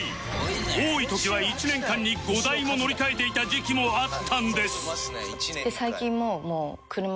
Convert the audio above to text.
多い時は１年間に５台も乗り替えていた時期もあったんです